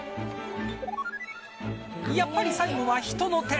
やっぱり最後は人の手。